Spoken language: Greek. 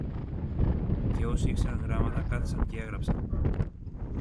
Και όσοι ήξεραν γράμματα κάθισαν κι έγραψαν.